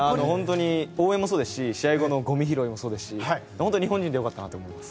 応援もそうですし試合後のごみ拾いもそうですし本当に日本人で良かったなと思います。